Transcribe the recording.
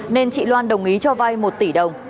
nên chị loan đồng ý cho vay một tỷ đồng